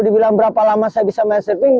setelah berapa lama saya bisa main surfing